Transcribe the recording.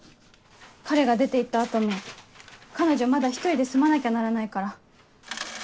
彼が出て行った後も彼女まだ１人で住まなきゃならないから。